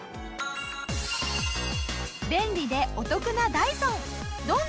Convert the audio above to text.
便利でお得なダイソン。